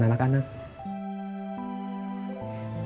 dan untuk mendidikan anak anak